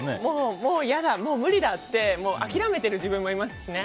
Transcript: もう、嫌だ無理だって諦めている自分もいますしね。